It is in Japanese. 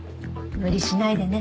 無理しないでね。